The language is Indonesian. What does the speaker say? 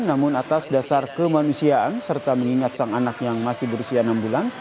namun atas dasar kemanusiaan serta mengingat sang anak yang masih berusia enam bulan